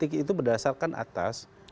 titik titik itu berdasarkan atas